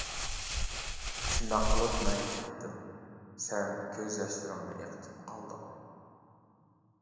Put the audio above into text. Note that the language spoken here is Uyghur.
شۇنداق قىلىپ مەن كەتتىم، سەن كۆز ياشلىرىڭنى ئېقىتىپ قالدىڭ.